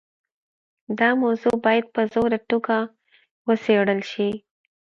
دا موضوع باید په ژوره توګه وڅېړل شي.